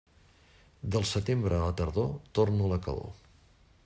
Del setembre a la tardor torna la calor.